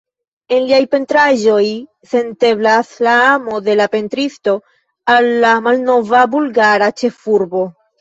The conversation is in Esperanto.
En liaj pentraĵoj senteblas la amo de la pentristo al la malnova bulgara ĉefurbo.